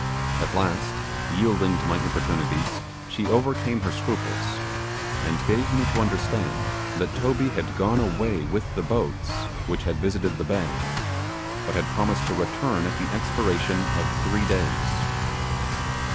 At last, yielding to my importunities, she overcame her scruples, and gave me to understand that Toby had gone away with the boats which had visited the bay, but had promised to return at the expiration of three days.